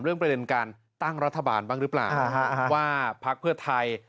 เรื่องประเด็นการตั้งรัฐบาลบ้างหรือหรือเปล่าว่าพรรถเพื่อไทย